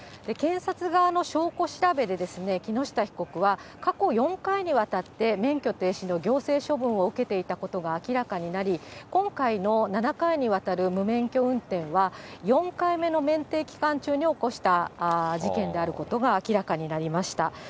検察側の証拠調べで、木下被告は、過去４回にわたって、免許停止の行政処分を受けていたことが明らかになり、今回の７回にわたる無免許運転は、４回目の免停期間中に起こした事件であることが明らかになりました。